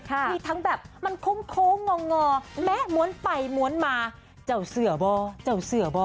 ที่ทั้งแบบมันโค้งงองอแมะม้วนไปม้วนมาเจ้าเสือบ่เจ้าเสือบ่